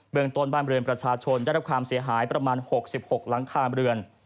เมืองต้นบ้านเรือนประชาชนได้รับความเสียหายประมาณ๖๖หลังคาเรือน